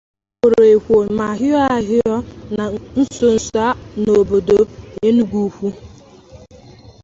O kwòrò ekwò ma hịọ ahịọọ na nsonso a n'obodo Enugwu-Ukwu